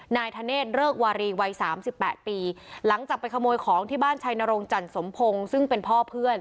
นายธเนธเริกวารีวัยสามสิบแปดปีหลังจากไปขโมยของที่บ้านชัยนรงจันสมพงศ์ซึ่งเป็นพ่อเพื่อน